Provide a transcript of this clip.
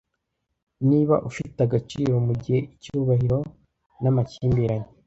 Niba ufite agaciro mugihe icyubahiro namakimbirane